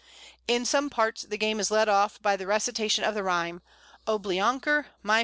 In some parts the game is led off by the recitation of the rhyme, "Oblionker! my fust konker."